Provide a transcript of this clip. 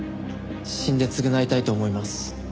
「死んで償いたいと思います」